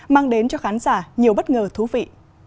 mang đến cho khán giả nhiều bất ngờ thú vị